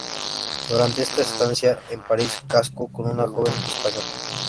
Durante esta estancia en París casó con una joven española.